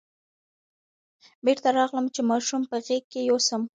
بېرته راغلم چې ماشوم په غېږ کې یوسم.